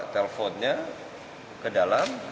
telponnya ke dalam